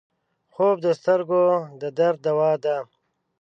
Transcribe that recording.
خوب د سترګو د درد دوا ده